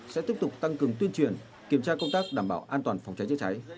sẽ tiếp tục tăng cường tuyên truyền kiểm tra công tác đảm bảo an toàn phòng cháy chữa cháy